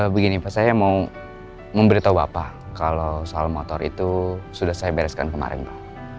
begini pak saya mau memberitahu bapak kalau soal motor itu sudah saya bereskan kemarin pak